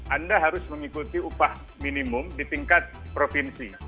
anda harus mengikuti upah minimum di tingkat provinsi